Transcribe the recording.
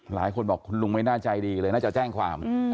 หลายคนบอกคุณลุงไม่น่าใจดีเลยน่าจะแจ้งความ